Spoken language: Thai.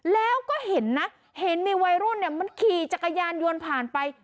แล้วก็เห็นนะเห็นมีวัยรุ่นมันขี่จักรยานยนต์ผ่านไป